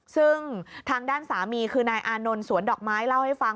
ซึ่งทางด้านสามีคือนายอานนท์สวนดอกไม้เล่าให้ฟัง